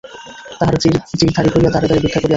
তাহারা চীরধারী হইয়া দ্বারে দ্বারে ভিক্ষা করিয়াছে।